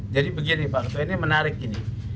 jadi begini pak ketua ini menarik ini